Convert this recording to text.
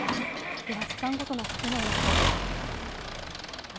では時間ごとの風の予想です。